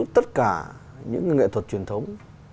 tất cả những nghệ thuật truyền thống